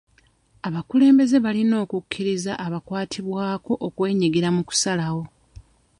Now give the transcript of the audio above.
Abakulembeze balina okukkiriza abakwatibwako okwenyigira mu kusalawo.